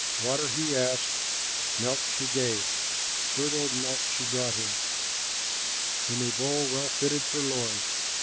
Water he asked, milk she gave, Curdled milk she brought him In a bowl well fitted for lords!